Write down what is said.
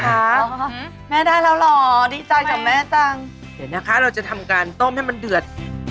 แม่ได้แล้วเหรอดีใจกับแม่จังเดี๋ยวนะคะเราจะทำการต้มให้มันเดือด